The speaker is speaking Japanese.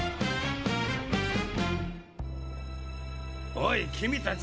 おい君たち！